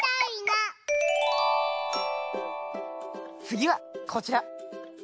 つぎはこちら！